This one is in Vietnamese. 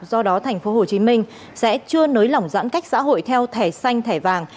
do đó tp hcm sẽ chưa nới lỏng giãn cách xã hội theo thẻ xanh thẻ vàng